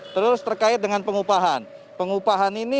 terus terkait dengan pengupahan